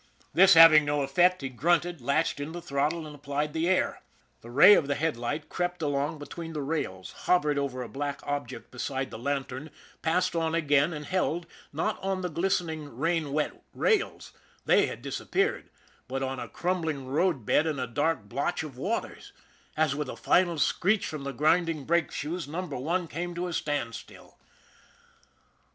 This having no effect, he grunted, latched in the throttle, and applied the " air." The ray of the headlight crept along between the rails, hovered over a black object beside the lantern, passed on again and held, not on the glistening rain wet rails they had disappeared but on a crumbling road bed and a dark blotch of waters, as with a final screech from the grinding brake shoes Number One came to a standstill.